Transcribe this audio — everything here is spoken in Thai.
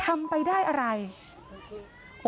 โชว์บ้านในพื้นที่เขารู้สึกยังไงกับเรื่องที่เกิดขึ้น